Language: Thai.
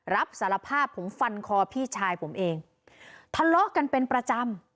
รับสารภาพผมฟันคอพี่ชายผมเองทะเลาะกันเป็นประจำ